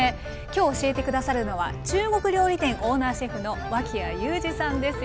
今日教えて下さるのは中国料理店オーナーシェフの脇屋友詞さんです。